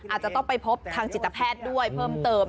อาจจะต้องไปพบทางจิตแพทย์ด้วยเพิ่มเติม